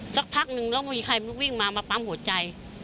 สักพักนึงแล้วไม่มีใครวิ่งมามาปั๊มหัวใจ